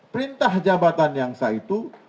perintah jabatan yang sah itu